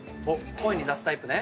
声に出すタイプ。